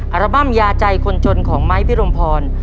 อัลบั้มยาใจคนจนของไม้พิรมพร